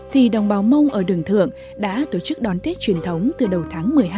thì đồng bào mông ở đường thượng đã tổ chức đón tết truyền thống từ đầu tháng một mươi hai